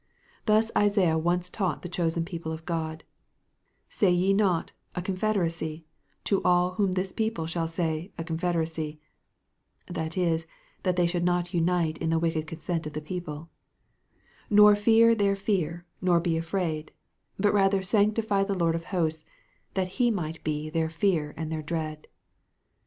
Thus Isaiah once taught the chosen people of God: "Say ye not, A confederacy, to all to whom this people shall say, A confederacy:" that is, that they should not unite in the wicked consent of the people; "nor fear their fear, nor be afraid," but rather "sanctify the Lord of hosts," that he might "be their fear and their dread."